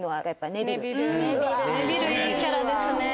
ネビルいいキャラですね。